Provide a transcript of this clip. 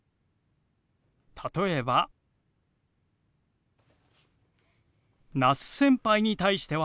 例えば那須先輩に対しては。